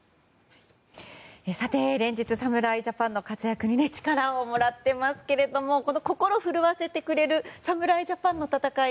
連日、侍ジャパンの活躍に力をもらっていますけど心震わせてくれる侍ジャパンの戦い